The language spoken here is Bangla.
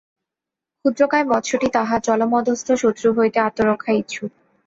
ক্ষুদ্রকায় মৎস্যটি তাহার জলমধ্যস্থ শত্রু হইতে আত্মরক্ষায় ইচ্ছুক।